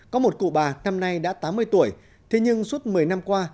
có một cụ bà năm nay đã tám mươi tuổi thế nhưng suốt một mươi năm qua